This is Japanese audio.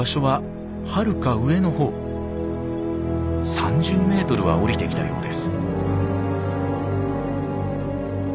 ３０メートルは降りてきたようです。